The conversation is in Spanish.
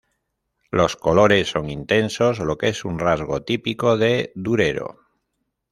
Los colores son intensos, lo que es un rasgo típico de Durero.